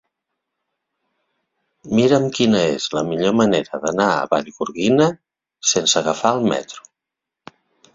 Mira'm quina és la millor manera d'anar a Vallgorguina sense agafar el metro.